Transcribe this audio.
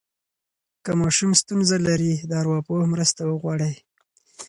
که ماشوم ستونزه لري، د ارواپوه مرسته وغواړئ.